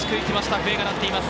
笛が鳴っています。